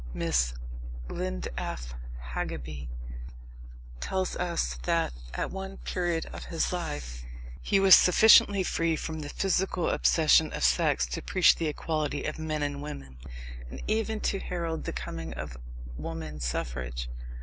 Miss Lind af Hageby tells us that, at one period of his life, he was sufficiently free from the physical obsessions of sex to preach the equality of men and women and even to herald the coming of woman suffrage.